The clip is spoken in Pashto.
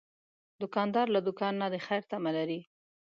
دوکاندار له دوکان نه د خیر تمه لري.